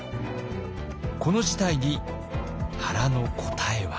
この事態に原の答えは。